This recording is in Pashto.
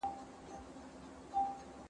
هنر د لاس بنګړي دي.